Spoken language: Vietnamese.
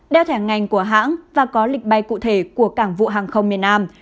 đeo thẻ ngành của hãng và có lịch bay cụ thể của cảng vụ hàng không miền nam